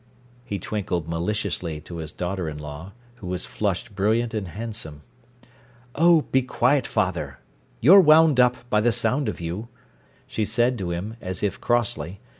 He twinkled maliciously to his daughter in law, who was flushed brilliant and handsome. "Oh, be quiet, father. You're wound up, by the sound of you," she said to him, as if crossly.